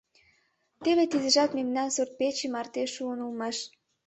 Теве тидыжат мемнан сурт-пече марте шуын улмаш.